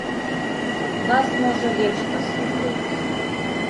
Вас, можа, лепш паслухаюць.